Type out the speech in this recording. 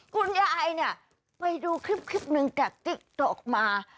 คุณยายเนี่ยไปดูคลิปหนึ่งจากติ๊กต๊อกมา